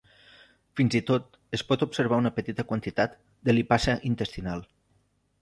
Fins i tot es pot observar una petita quantitat de lipasa intestinal.